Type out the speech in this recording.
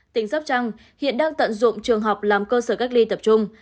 tỉnh sóc trăng hiện đang tận dụng trường học làm cơ sở cách ly tập trung